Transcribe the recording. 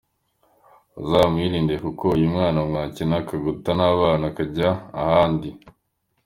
Uzamwirinde kuko uyu mwabana mwakena akaguta n’abana akajya ahandi.